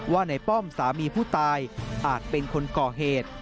ว่าในป้อมสามีผู้ตายอาจเป็นคนก่อเหตุ